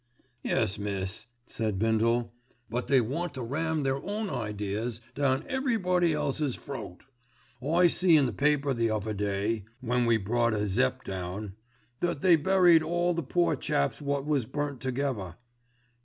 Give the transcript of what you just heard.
"Yes, miss," said Bindle. "But they want to ram their own ideas down everybody else's throat. I see in the paper the other day, when we brought a Zepp. down, that they buried all the poor chaps wot was burnt together.